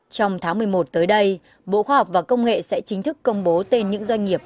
trong tháng một mươi một tới đây bộ khoa học và công nghệ sẽ chính thức công bố tên những doanh nghiệp